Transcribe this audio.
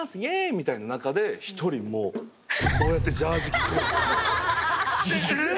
みたいな中で１人もうこうやってジャージ着てええ！